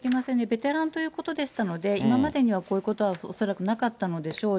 ベテランということでしたので、今までにはこういうことは恐らくなかったのでしょう。